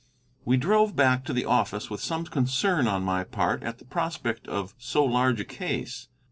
We drove back to the office with some concern on my part at the prospect of so large a case.